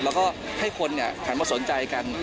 แล้วก็ให้คนหันมาสนใจกัน